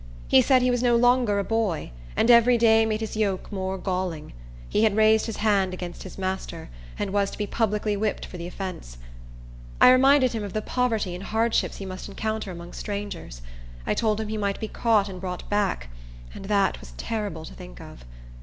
He said he was no longer a boy, and every day made his yoke more galling. He had raised his hand against his master, and was to be publicly whipped for the offence. I reminded him of the poverty and hardships he must encounter among strangers. I told him he might be caught and brought back; and that was terrible to think of.